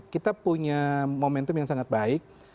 kita punya momentum yang sangat baik